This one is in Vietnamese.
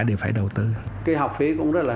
đều phải đầu tư cái học phí cũng rất là